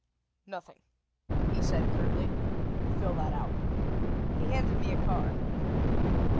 "Nothing," he said curtly. "Fill that out." He handed me a card.